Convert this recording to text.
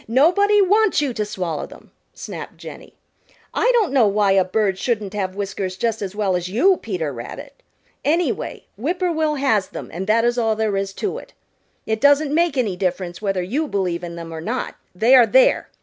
Nobody wants you to swallow them," snapped Jenny. "I don't know why a bird shouldn't have whiskers just as well as you, Peter Rabbit. Anyway, Whip poor will has them and that is all there is to it. It doesn't make any difference whether you believe in them or not, they are there.